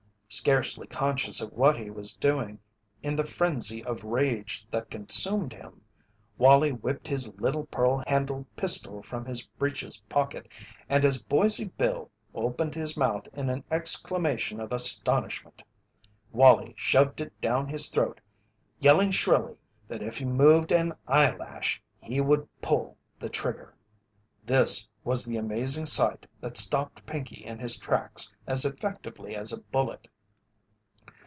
Scarcely conscious of what he was doing in the frenzy of rage that consumed him, Wallie whipped his little pearl handled pistol from his breeches pocket and as Boise Bill opened his mouth in an exclamation of astonishment, Wallie shoved it down his throat, yelling shrilly that if he moved an eye lash he would pull the trigger! This was the amazing sight that stopped Pinkey in his tracks as effectively as a bullet.